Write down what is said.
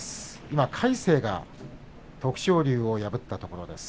今、魁聖が徳勝龍を破ったところです。